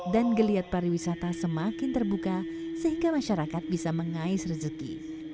dan geliat pariwisata semakin terbuka sehingga masyarakat bisa mengais rezeki